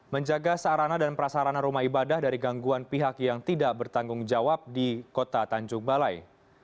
menjaga sarana dan prasarana rumah ibadah dari gangguan pihak yang tidak bertanggung jawab di kota tanjung balai